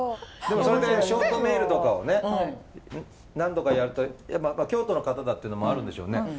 それでショートメールとかをね何度かやると京都の方だってのもあるんでしょうね